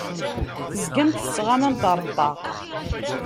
Tezgamt tettɣamamt ar ṭṭaq.